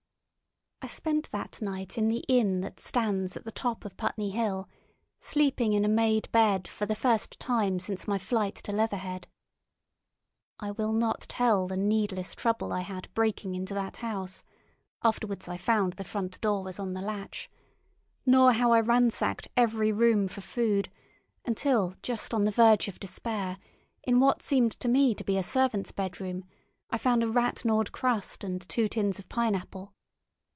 I spent that night in the inn that stands at the top of Putney Hill, sleeping in a made bed for the first time since my flight to Leatherhead. I will not tell the needless trouble I had breaking into that house—afterwards I found the front door was on the latch—nor how I ransacked every room for food, until just on the verge of despair, in what seemed to me to be a servant's bedroom, I found a rat gnawed crust and two tins of pineapple.